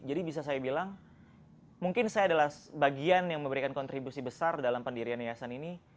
jadi bisa saya bilang mungkin saya adalah bagian yang memberikan kontribusi besar dalam pendirian yayasan ini